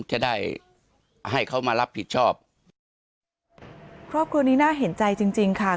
จะได้ให้เขามารับผิดชอบครอบครัวนี้น่าเห็นใจจริงจริงค่ะ